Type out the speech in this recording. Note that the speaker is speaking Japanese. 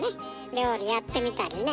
料理やってみたりね